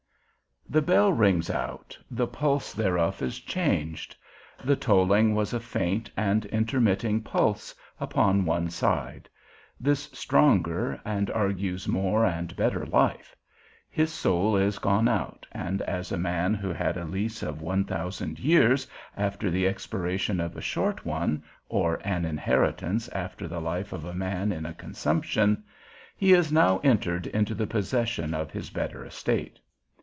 The bell rings out, the pulse thereof is changed; the tolling was a faint and intermitting pulse, upon one side; this stronger, and argues more and better life. His soul is gone out, and as a man who had a lease of one thousand years after the expiration of a short one, or an inheritance after the life of a man in a consumption, he is now entered into the possession of his better estate.